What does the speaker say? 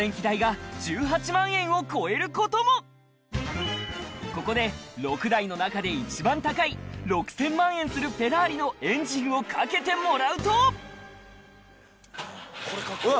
月のることもここで６台の中で一番高い６０００万円するフェラーリのエンジンをかけてもらうとわっ。